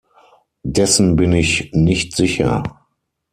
Dessen bin ich nicht sicher.